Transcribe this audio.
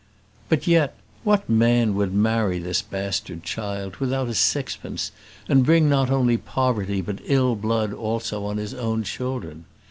But yet, what man would marry this bastard child, without a sixpence, and bring not only poverty, but ill blood also on his own children?